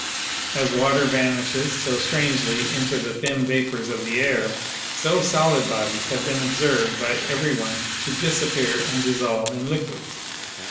As water vanishes so strangely into the thin vapors of the air, so solid bodies have been observed by every one to disappear and dissolve in liquids.